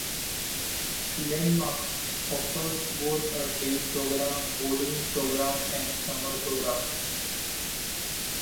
Landmark offers both a day program, boarding program and summer program.